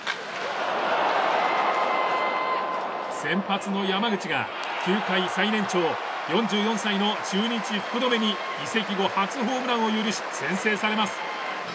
先発の山口が球界最年長、４４歳の中日、福留に移籍後初ホームランを許し先制されます。